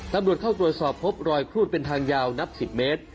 ตำรวจเข้าตรวจสอบพบรอยครูดเป็นทางยาวนับ๑๐เมตร